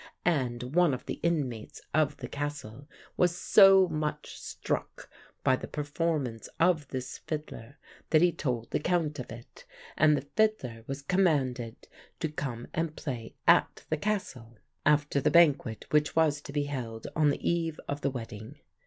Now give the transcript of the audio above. And one of the inmates of the castle was so much struck by the performance of this fiddler that he told the Count of it, and the fiddler was commanded to come and play at the Castle, after the banquet which was to be held on the eve of the wedding.